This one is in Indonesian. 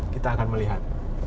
kita akan melihat